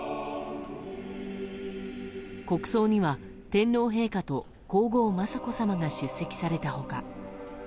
国葬には天皇陛下と皇后・雅子さまが出席された他